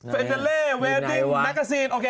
ไฟนาลีเวรติ้งแมกกาซีนโอเค